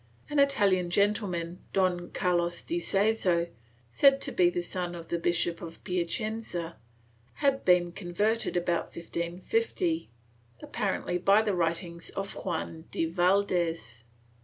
An Italian gentleman, Don Carlos de Seso, said to be the son of the Bishop of Piacenza, had been converted about 1550, apparently by the writings of Juan de Valdes.